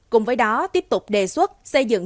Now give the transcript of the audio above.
cùng với đó tiếp tục đề xuất xây dựng